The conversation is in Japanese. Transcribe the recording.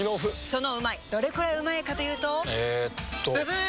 そのうまいどれくらいうまいかというとえっとブブー！